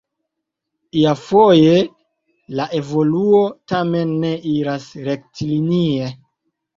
Iafoje la evoluo tamen ne iras rektlinie.